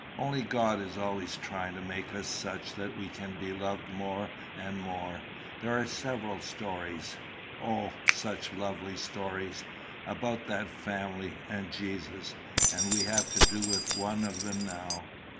Only God is always trying to make us such that we can be loved more and more. There are several stories O, such lovely stories! about that family and Jesus; and we have to do with one of them now.